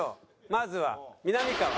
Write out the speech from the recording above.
まずはみなみかわ。